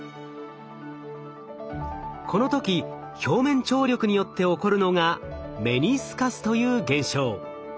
この時表面張力によって起こるのがメニスカスという現象。